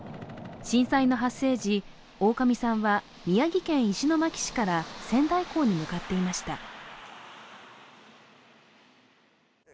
震災の発生時、大上さんは宮城県石巻市から仙台港に向かっていました。